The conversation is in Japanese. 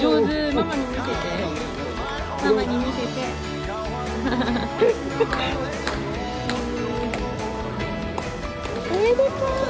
ママに見せて、ママにおめでとう。